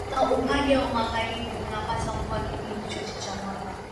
na upande wa Magharibi unapata mvua kipindi chote cha mwaka